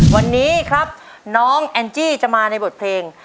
วันนี้ครับน้องแอนจี้จะมาในบทเพลง